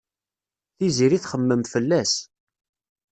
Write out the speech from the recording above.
Tiziri txemmem fell-as.